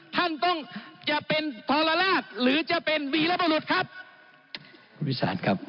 ท่านต้องจะเป็นหรือจะเป็นครับพี่สาธารณ์ครับ